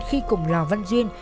khi cùng lào văn duyên